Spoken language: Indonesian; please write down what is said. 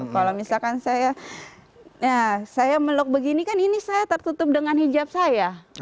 kalau misalkan saya meluk begini kan ini saya tertutup dengan hijab saya